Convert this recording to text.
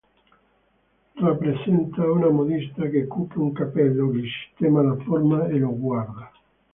Rappresenta una modista che cuce un cappello, gli sistema la forma e lo guarda.